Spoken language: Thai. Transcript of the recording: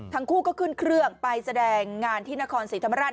ทั้งคู่ก็ขึ้นเครื่องไปแสดงงานที่นครศรีธรรมราช